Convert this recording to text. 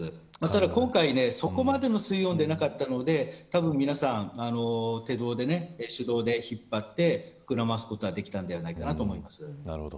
だから、今回そこまでの水温ではなかったのでたぶん皆さん手動で引っ張って膨らますことができたのではないかと思います。